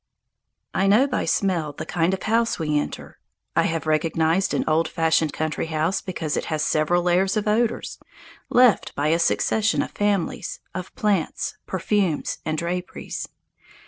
I know by smell the kind of house we enter. I have recognized an old fashioned country house because it has several layers of odours, left by a succession of families, of plants, perfumes, and draperies.